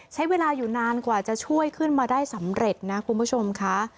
ใช้เวลาอยู่นานกว่าจะช่วยขึ้นมาได้สำเร็จนะคุณผู้ชมค่ะ